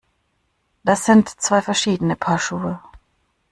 Das sind zwei verschiedene Paar Schuhe!